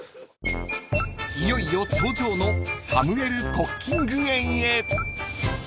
［いよいよ頂上のサムエル・コッキング苑へ］